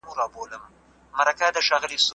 که باران وشي نو کبابي به خپل دوکان بند کړي.